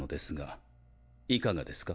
いかがですか？